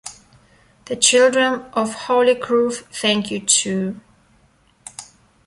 The children of Hollygrove thank you too.